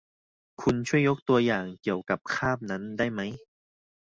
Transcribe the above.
คุณช่วยยกตัวอย่างเกี่ยวกับคาบนั้นได้ไหม